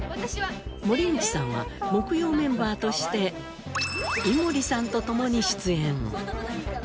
森口さんは木曜メンバーとして井森さんと共に出演。